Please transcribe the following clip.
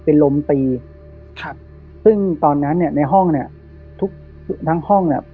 เป็นลมตีครับซึ่งตอนนั้นเนี่ยในห้องเนี้ยทุกทั้งห้องเนี้ย